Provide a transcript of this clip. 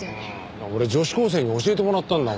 俺女子高生に教えてもらったんだもん。